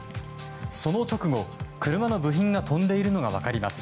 その直後、車の部品が飛んでいるのが分かります。